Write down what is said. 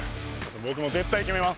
僕も絶対決めます。